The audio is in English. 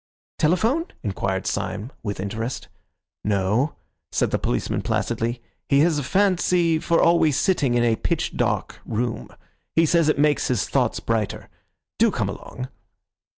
"Telephone?" inquired Syme, with interest. "No," said the policeman placidly, "he has a fancy for always sitting in a pitch dark room. He says it makes his thoughts brighter. Do come along."